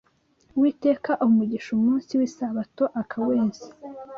Uwiteka aha umugisha umunsi w’Isabato akaweza